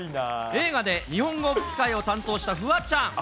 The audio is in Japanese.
映画で日本語吹き替えを担当したフワちゃん。